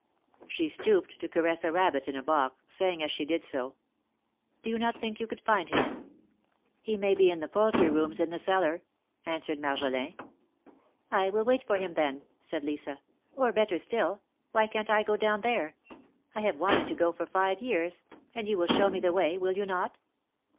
She stooped to caress a rabbit in a box, saying as she did so ;Do you not think you could find him ?" "He may be in the poultry rooms in the cellar," answered Marjolin. " I will wait for him, then," said Lisa ;" or better still, why can't I go down there ? I have wanted to go for five years, and you will show me the way, will you not?"